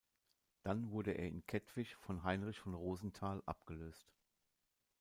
Dann wurde er in Kettwig von Heinrich von Rosenthal abgelöst.